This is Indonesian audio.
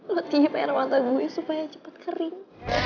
lo tiup air mata gue supaya cepat kering